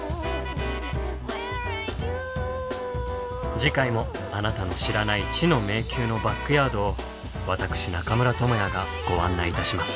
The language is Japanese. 次回もあなたの知らない「知の迷宮」のバックヤードを私中村倫也がご案内いたします。